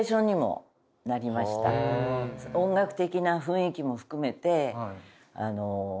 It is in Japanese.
音楽的な雰囲気も含めて。